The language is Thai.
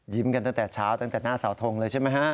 กันตั้งแต่เช้าตั้งแต่หน้าเสาทงเลยใช่ไหมฮะ